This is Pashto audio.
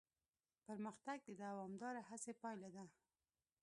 پرمختګ د دوامداره هڅې پایله ده.